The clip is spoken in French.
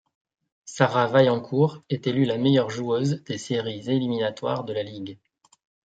Sarah Vaillancourt est élue la meilleure joueuse des séries éliminatoires de la ligue.